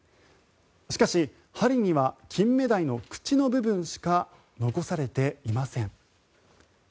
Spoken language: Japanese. しかし、針にはキンメダイの口の部分しか残されていません。